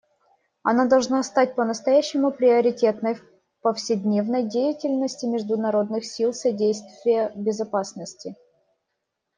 Она должна стать по-настоящему приоритетной в повседневной деятельности международных сил содействия безопасности.